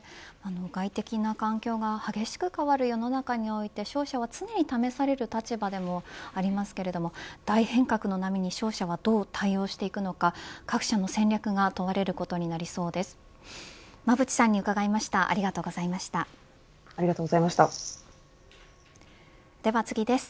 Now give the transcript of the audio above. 外的な環境が激しく変わる世の中において商社は常に試される立場でもありますが大変革の波に商社はどう対応していくのか各社の戦略が問われることになりそうです。